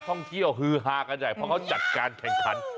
ท่องเที่ยวฮือฮากันใหญ่เพราะเขาจัดการแข่งขัน